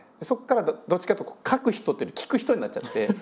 そこからどっちかっていうと「書く人」っていうより「聞く人」になっちゃって。